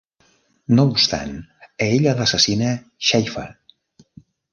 No obstant, a ella l'assassina Shafer.